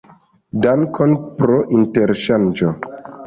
Dankon pro interŝanĝo!